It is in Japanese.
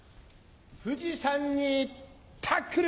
富士山にタックル！